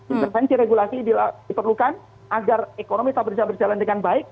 intervensi regulasi diperlukan agar ekonomi tak berjalan dengan baik